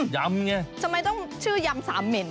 ยำไงทำไมต้องชื่อยำสามเหม็น